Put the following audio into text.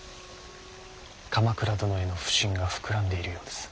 鎌倉殿への不信が膨らんでいるようです。